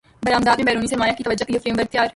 برامدات میں بیرونی سرمایہ کی توجہ کیلئے فریم ورک تیار